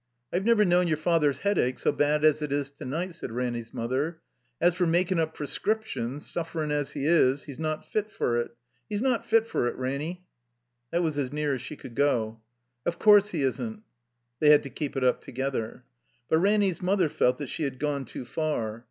"I've never known your father's Headache so bad as it is to night," said Ranny's mother. "As for makin' up prescriptions, suflerin' as He is, He's not fit for it. He's not fit for it, Ranny." That was as near as she could go. "Of course he isn't." 36 THE COMBINED MAZE (They had to keep it up together.) But Ranny's mother felt that she had gone too far.